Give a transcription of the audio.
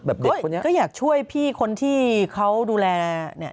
เด็กคนนี้ก็อยากช่วยพี่คนที่เขาดูแลเนี่ย